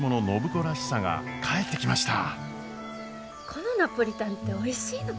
このナポリタンっておいしいのかねぇ。